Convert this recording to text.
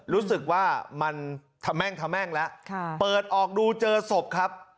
รู้สึกว่ามันทะแม่งทะแม่งแล้วเปิดออกดูเจอศพครับ